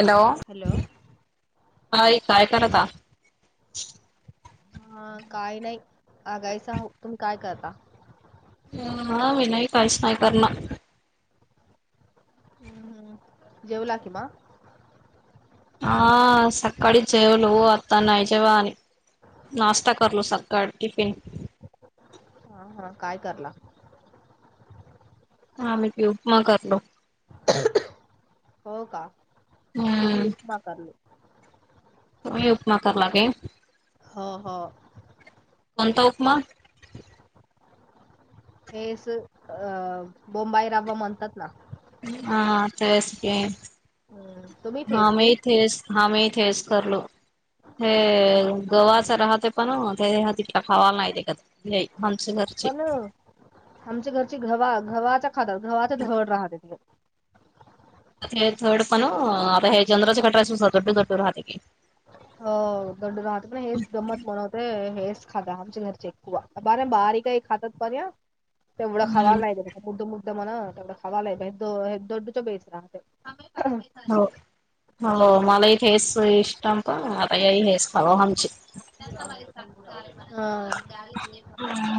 Hello आई काय करता? हा काय नाही आगायच तुम्ही काय करता? हा मी नाही काहीच नाही करणार. हम्म हम्म जेवला कि मा हा सकाळीच जेवलो आता नाही जेवाण. नाश्ता करलो सकाळ टिफिन हा हा काय करला? हा मी बी उपमा करलो. हो का आम्ही बी हम्म उपमा करलो. तुम्ही उपमा कर लागे. हा हा. कोणता उपमा? हेच अ बोंबाईरावा म्हणतात ना हा तेच की हम्म तुम्ही हा फेस मी की इथेस हा मीथेच करलो हे गव्हाच राहते पण हो ते हा इठला खावाला नाही तेे करती हे आमची घरची. पण आमच्या घरची गव्हा गव्हाच्या खाता गव्हाचा धवड राहते तिलं. हे थर्ड पनं आता हे चंद्राच्या कट्राचेस [unintelligible] राहते की. हो गंडू राहते पण हेच गमत म्हणवते हेच खाधा आमच्या घरचे. वा बारम बाहरी काही खातत तरया तेवढा खावा हम्म नाही देलं. मुद्द मुद्द म्हणा त्याला खवालाो हे दोड च बेच राहते. [unintelligible] हो हो मलाही खेस इस्टंप आता ही हेच खावा आमची. हा. [unintelligible]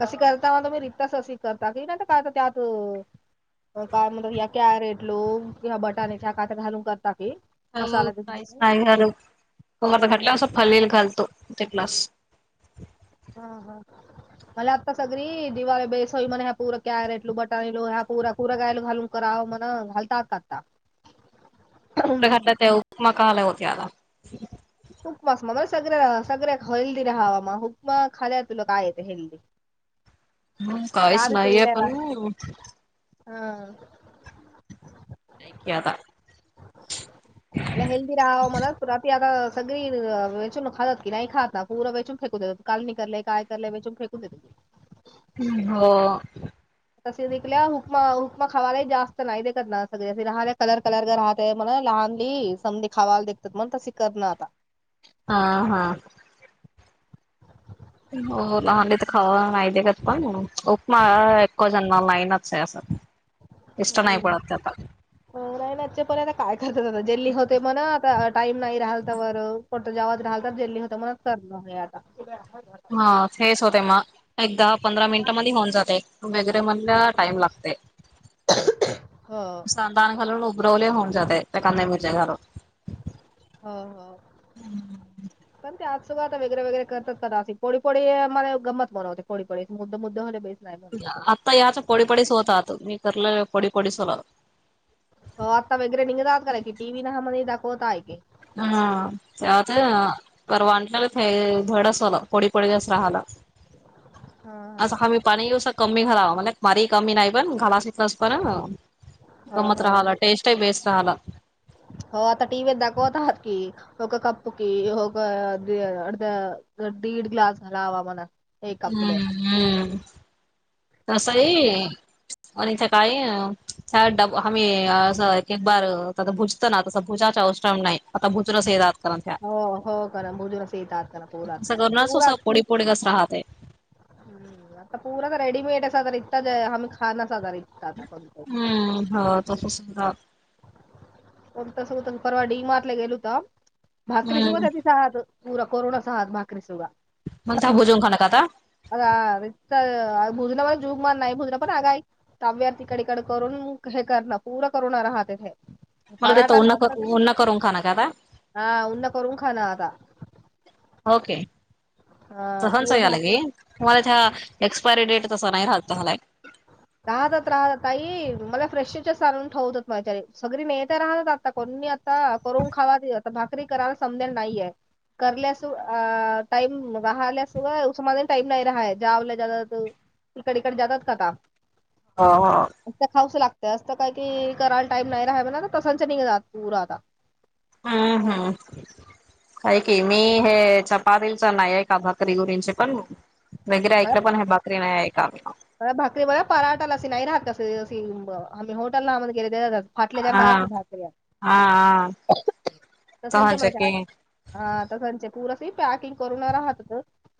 कशी करता मग मी रिक्तास अशी करता की नाही काय त्यात अ काय म्हणरीया या कॅरेट लो किंवा बटाणेच्या कात घालून करता की. हो मसाला ते काहीच घालते. नाही घर तम घटल्या फलेल घालतो ते कलास. [unintelligible] हा हा. मला आत्ता सगळी दिवाळी बेसई म्हण ह्या प पुर कॅरेटलू बटाणीलो ह्या पुरा प पुरं गायला घालून. [unintelligible] [unintelligible] कराव म्हणा घालतात का आता? [unintelligible] घातल्या त्या उपमा खालय होते आता. उपमास [unintelligible] सगळ्या सगळ्या हेल्दी राहावा मग उपमा खाल्याय तुला काय येते हेल्दी. [inaudible] हम् काहीच त्यात ते नाहीये गेल्या रा पण हा. नाही की आता. [inaudible] हेल्दी राहावं म्हणत रात्री आता सगळी वेचून खातात की नाही खात ना पूरं वेचून फेकू देतात. काल नाही करले कायलंयेचून फेकून देेती. [unintelligible] हो. त निघल्या हुकमा हुक्मा खावाला जास्त नाही देखत ना सग राहले कलर कलर घर राह. [unintelligible] ते म्हणा लहान ली संधी खावाला देतात म्हणून तशी करणं आता. आ हा. हो [unintelligible] तर खवा नाहीयते कात पण उपमा एक्कव जनमा नाहीईन. इष्ट नाही पडत त्यांना आता. अ रायलाच्य पर आता काय करतात आता जेल्ली होते म्हणा टाईम नाही राहल तर व कोत जेवात राहाल तर जेल्ली होत मण करलं आता. [unintelligible] हा थेस होते म. एक दहा पंधरा मिनिटामध्ये होऊन जाते वगैरे म्हणल्या टाईम लागते. हा. [unintelligible] सतान घरून उबरवले होऊन जाते ते काळ्या मिरच्या घालून हो हो. ण ते आज सु वाात वगरे वगैर कर तर पोळी पोळीम गमत बनवतेोळीडी पळीडी मुद्ददा मुद्दोे. [unintelligible] आता याचा पळी पडीस होतात मी करले कोडी पोळीसोला. [unintelligible] हो आता वगरे निघात कय की टी व्ही ना म्हणे दाखवता आहेय. [unintelligible] हा त्यात परवांटले ते धड असला पडी पळीस राहाला असं हा मी पाणीसं कमी घालाव म्हण मारी कमी नाही पण घाला शिकलास पण. [unintelligible] हो गमत राहाला हो टेस्ट बेस्ट राहाला. हो आता टीव्हीत दाखवतहात की. कप की अता दीड ग्लास लावा मला. [unintelligible] हम्म हम् तस आहे आणि सकाळी त्या डब आम्ही असं ते बारं भुज तस भुजाचे औषण नाही आता भुज रस येतात. [unintelligible] हो हो का मुजुरास येतातना पूरातता परात. [unintelligible] पुढ कस राहते. हम्म आता पुूरा तर रेडीमेड आहे साधार इच्ता आम्ही खाण्या साधार इ् आता कोणतही. [unintelligible] हम्म हो तस सुद्धा [unintelligible] कोणत सगत परवा डी मार्ट ला गेलो होत भाकरी हम्म सगत तिथं आहात. पूरा करुना सहा आ माक्रसग. [unintelligible] म्हणता भोजून खाना खाता? अ भुजना पण जुगमान नाही भुजना पण आगाय. [unintelligible] ताब्यार तिकडकड करून हे करणार पूरा करणार हहातथे. [unintelligible] मला देत पराठा उन्हा म्हणतात की उन्हा करून खाणं का आता हा उन्न करून खाण आता. [unintelligible] ओके हा पुरं भात सहनचयलागी?. [unintelligible] तुम्हाला त्या एक्सपायरी डेट तसा नाही राहत हला एक. [unintelligible] राहतात राहत तई मला फ्रेशच्या सारून ठेवतात माझ्या सगळी नेता्या राहतात आता कोणी. [unintelligible] हा करून खावा आता भाकरी करायला समजेल नाहीये. कर लस अ टाइम राहासोामा टाइम नाही रहाय जावला ज. [unintelligible] तिकड तीकडे जातात का? ह ह. असं खाऊसं लागतय असं काय कि करायला टाई नाही राहा म्हणा तसंच निघ जात पुर आता. [unintelligible] हम्म हम्म. काय की मी हे चपातच नाही आहे का भातिगुरींचे पण. [unintelligible] वगैरे ऐकलं पण हे बाकरी नाही ऐका. भाकरी ब पराठाला अशी नाही राहत कस आम्ही होॉटल आम गेले. [unintelligible] फाटल्या जन बाहेर की भटले. [unintelligible] आं तरसच्या मध्ये आ. [unintelligible] हा तर त्यांचे पुरसे ही पॅकिंग करून राहतात.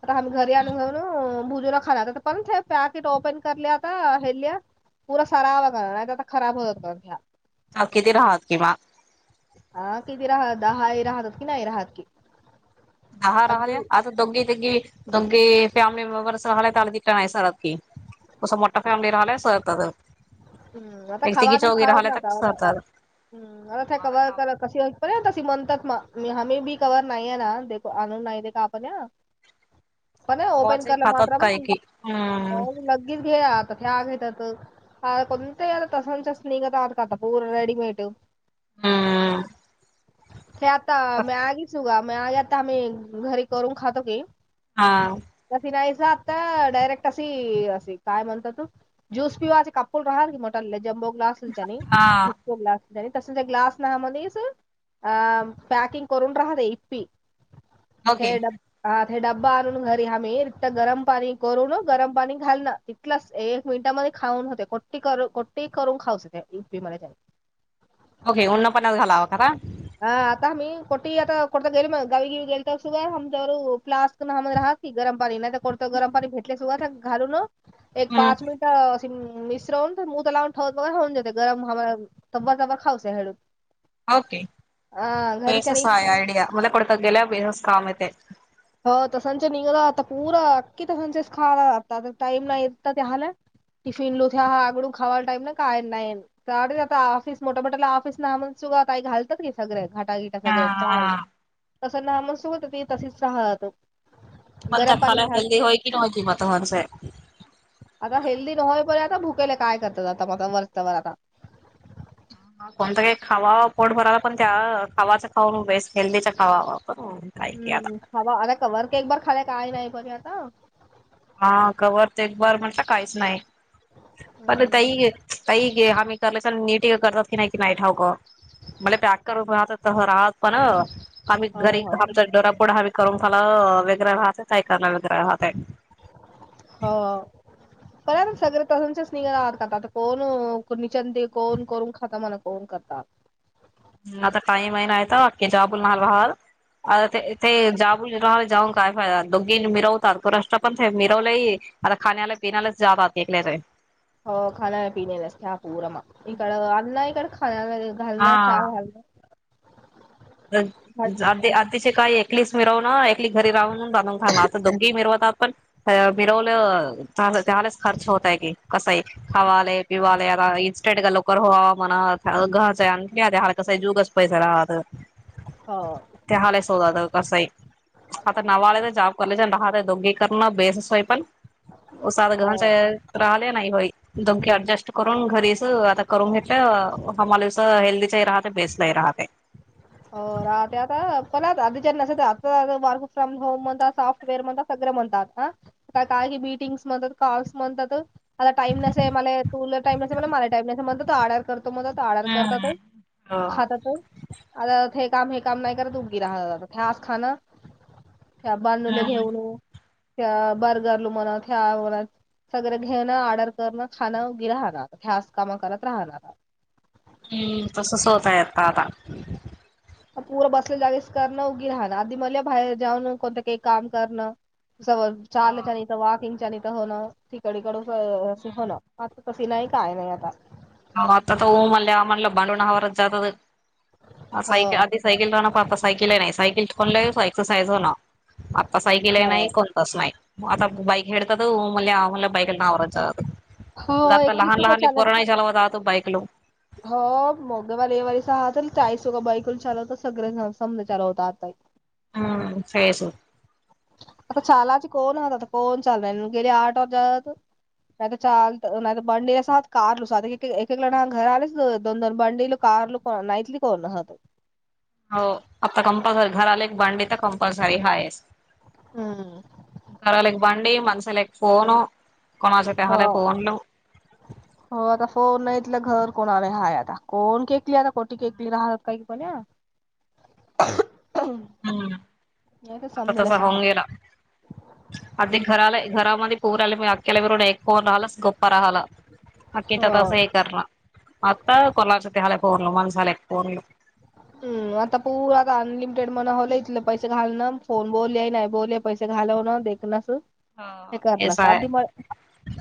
आता आम्ही घरी आणू घेऊनो भुजूला खाला आता पर्यंत हे पॅकेट ओपन करले आता हेल्या. पुूरा सरावा लागणार नाही आता खराब हो जात ना्या. [unintelligible] ह किती राहात किंवा हा किती राह दहाय राहतात की नाही राहात की. हा राहिल्या अजून आता दोघे ती दोघे फॅमिली मेंबर्स राहिल्या त आल त का नाही सरात की. [unintelligible] कसं मोठ्या फॅमिली राहिल्यायस. हम्म आता खावा त खाच तर नाता आता सरतात हम् आता ते कवर करत. [unintelligible] कशी पण तशी म्हणतात मी ह मही बी कवर नाहीये ना दे आणून नाही दे का आपण या. [unintelligible] पण ओपन गव्हाचे करलं खातात मात. काय की हम्म [unintelligible] ते आता ते आग घेतात. [unintelligible] ह कोणते तसाच्या स् निघा आ काात पूर रेडीमेड. [unintelligible] हम्. हे आता [unintelligible] मी मँगीच काा मी आगी आता आम्ही घरी करून खातो की. हा. क नाहीच आता डायरेक्ट अशी असे काय म्हणत तू. [unintelligible] जुस पिवाचे कपल रहाी मोटरले ज्ो ग्लास. [unintelligible] हा नाही ग्ला तल त्या ग्लास नामध्येच. [unintelligible] अ पॅकिंग करून राहते इप्पी ओके हे ड. [unintelligible] हा ते डब्बा आणून घरी ह म् रिक्त गरम पाणी करून गरम पाणी घालण. [unintelligible] क एक मिनिटामध्ये खाऊन होते कोटी कर कोट्टी करून खाऊच ते युपी मध्ये. [unintelligible] ओके उन्नपणा झालावा का. [unintelligible] हा आता मी कोटी आता कोठता गेल मग गावी गिवी गेल तरमच्यावर फ्स्क न राहात. [unintelligible] गरम पाणी नाही कोत गरम पाणी भेटले घालून एक हम्म पाच मिनिट. [unintelligible] मिश्र हो मू त लावून ठवत वगराऊन जेते गरम ह तब्बर तब खऊश हेळडून. [unintelligible] ओके घरीच्यानी बेससय आयडिया मला कडत गेल्या बेसस काम येते. [unintelligible] हो तसच निघलं आता पुूरा अकी तसचच खायला लागत टाइम नाही य त्या हला. [unintelligible] टिफिन लोथे हहा आगड खावा टाम ना काय ना नाहीन. [unintelligible] तर आता ऑफिस मोठा मोठ्याला ऑफिस ना सुगा काही घलात की सगळे्या घागिट. [unintelligible] हा सगळ चाय हा तसं नाम सु होत त तशीच राहातो. [unintelligible] पण त्या खाला हेल्दी होय की नव्हतीि मतसे. [unintelligible] आता हेल्दी नव्हय बे आता भुकेला काय करतात आ म वरत वर आता. [unintelligible] हा. [unintelligible] कोणत काही खावा पोट भरायला पण त्या खावाच खावा बेस्ट हेल्दीचा खावाप. [unintelligible] हम्म खावा अरे क वर केक बर खाय काय नाही बरी आता. [unintelligible] हा कवरर ते एक बर म्हटलं काहीच नाही पण हम्म तही. [unintelligible] काही घे आम्ही करले नीट करतात की नाही की नाही ठाऊक. मला पॅक करून राहत राहत पण. आम्ही हो घरी हो आमच्या डोरापुढे आम्ही करून खाला वेगरे राहते काही कर वेगरे राहत. [unintelligible] हो बण ना सगळे तज. [unintelligible] घ आह करतात कोण निचते कोण करून खाता म्हणा कोण करतात. ह आता काही महि नाहीय का अख्खे जबोलल नाल वाहाल. [unintelligible] आता ते ते जाब राला जाऊन काय फायदा दोघी मिरवतातो रष्ट पण ते मिरवलंही. [unintelligible] अरे खाले पिलेला ज्यादाता देख र. [unintelligible] हो खाला पीण्या व्यस्तते हपूरमा इकड अना इकड खना. [unintelligible] घालणं हा घालण. [unintelligible] जर जाते अर्धी शे. [unintelligible] काही एकलीच मिरव ना एकली घरी राहून बांधून खालला अस दोघेही मिरवतात पण. [unintelligible] मिरवलं त्यालाच खर्च होतय की कसाही. [unintelligible] हवाले पिवाले आता इंस््टेट गल्ोर हवा म घासां हरकासा झगस. [unintelligible] पयसरा आ. [unintelligible] हो. ते हलाय शोधात कसंय. [unintelligible] हाता नवाले ते जाब करले हा ते दोगीकरण बेससोयपण. [unintelligible] उसाात हो गहनचाले ना होई. [unintelligible] धमकया अऍडजस्ट करून घरीच आता करून घेतलं आम्हालास हेल्दीचही राहत बेसलाही राहत. हो राहत्याला कोण आधी ज नसत आता वर्क फ्रॉम होम म्हणत सॉफ्टवेअर म्हणत सगळे म्हणतात ह. काही मीटिंग्स मते काॅल्स म्हणतात. आता टाइम नसेल मला तुला टाइम नसेे मला टाइम से म्हण तो आल्यावर करतो मदत आडर हम्म करतातच खातात. आता हे काम हे काम नाही कर तूगी राह ते आस खाणं. त्या बांनू ला हम्म घेऊन त्या बारजरला म्हणा त्या [unintelligible] सगळ घेणं ऑर्डर करणं, खाणं उगी राहणार ह्यास कामा करत राहणार. हम्म तसच होतय आता आता. पुूं बसल्या जागेच करणं उगी राहणं आधी म बाहेर जाऊन कोणतं काही काम करणं. स चालत हा. आले वॉकिंगच्या नथ होणं तिकडकड अस होणं. आता तस नाही काय नाही आता. मता ऊमला आ मणला बडून हाज स. हो सायकल तोन प आता सायकल ये नाहीई सैकल कोनले एक्सरसाईज होन आत सैकल ये हो नाहीई कोण तसं नाही आता बाईक एत मु आ मुला बाईक आवरच. हो ग आता एकलीच तू लहान का लहान चालत लेकरू [unintelligible] बाईकलो. हो मगद मला एवारीस हह चाळीसोघ बाईकून चालव होता सगळं समजा चालू होता आता. [inaudible] हमं फेस. आता चालाचे कोण आहात आता कोण चाल रा गेले आठ वज. नाहीत चाल नाहीत बंडे असात कार लुसात एक एक ल घर आले. दोन दोन बंडील कारल कोण नाईटली कोणत. हो आता कंपल्सरी घराला एक भांडी तर कंपल्सरी हाय आहेस. हम्म. घराला एक भांडी माणसाला फोन हो कोणाचतेह फोनू. [inaudible] हो आता फोन नाही तथलं घर कोणाले हाय आता कोण केकली आता कोठ केकली राहतात काही पण [unintelligible] [inaudible] हम्म तर आता तसा समजेलच होऊन आहात गेला. अगदी घराला घरामध्ये पूर आले मी अख्याला मिरून ऐकन राहिलास गप्पा राहिला. हो [unintelligible] आता कोलाच्या ते हलाय फोनल माणसाला फोनल. हम् आता पूर्ण आता अनलिमिटेड म्हणा होईल इथले पैसे घालण फोन बोलले नाही बोल. पैसे घालवण देखणस हे हेच करणारस आहे आधी म.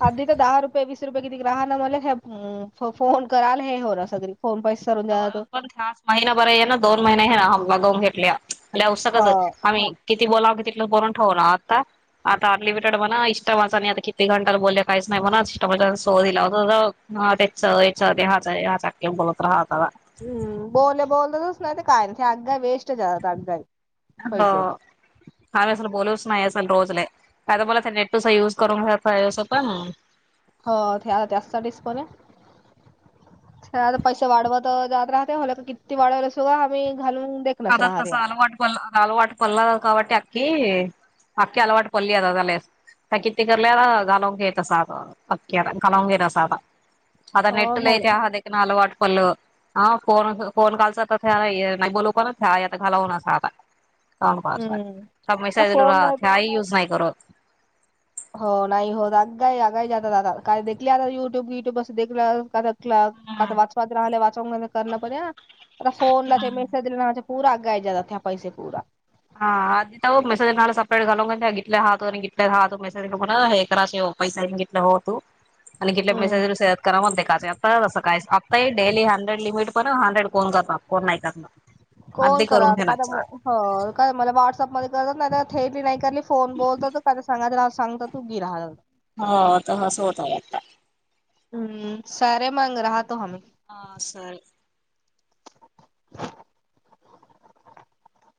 आधी तर दहा रुपये वीस रुपये किती ग राहाला मला फोन कराल हे होणार फोन पैसे. सरून द्या पण खास महिनाभर आहे ना दोन महिने्या हे ना ह मागवून घेतल्या. [unintelligible] चे हो आम्ही किती बोलाव की ति बरवून ठेवणार ना आता. आता अनलिमिटेड म्हणा इंस्टा वाचा आणि आता किती घंटाला बोलल्या काहीच नाही म्हणा इ [unintelligible] सो दिला हो. हा तेचच ते ह हा चकम बोलत राहत. हम् बोल बोलतस नाही ते काय नाही अग वेस्ट जाते ह कावे असल बोलूस नाही आहे असल रोजले. काय तर बला त्या नेट तूस युज करून घसं सोप पण. हो त्या त्याचा डिस्पोन. आता पैसे वाढव तर जात राहते किती वाढव असो काा आम्ही घालून. देखनच आता राहते कसाल वाटत. प अलवाट पल्ला काबटी अकी अकी अलवाट पल्ली [unintelligible] या त किती करल्या गालाव घेत साध पक गालाव घेत साध. [unintelligible] आता हो नेटला घाल ते ह. लं वाटपलं फोन फोन कालच आता नाही बोलू पण. ाय आता घालावून आतान हम्म पावसात आता फोन नाही मैसा [unintelligible] युज नाही करत. [unintelligible] ता वाचवा रा करत वा कर पण आता फोनला मेसेज [unintelligible] पूरा गाय जात त्या पैसे पूरा. हा आ मेसेजला सपेट [unintelligible] नहोतु [unintelligible] हम्म [unintelligible] काॅल करा [unintelligible] हो काय मला व्हॉट्सअपमध्येध्ये करतात नाही थेटली नाही करली फोन बोलतो काय सांगा सांगत तू गि राह. हो त हस होत. हम्म, सरे मग रहा तो हम. ह असाय. [inaudible]